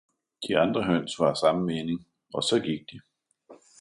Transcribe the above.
De andre høns var af samme mening, og så gik de.